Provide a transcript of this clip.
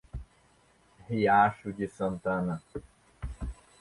Riacho de Santana